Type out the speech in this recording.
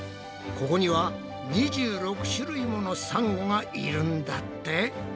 ここには２６種類ものサンゴがいるんだって！